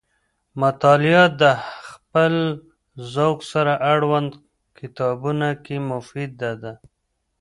مطالعه د خپل ذوق سره اړوند کتابونو کې مفیده ده.